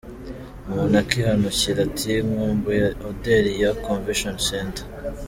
Umuntu akihanukira ati ‘Nkumbuye odeur ya Convention Center’.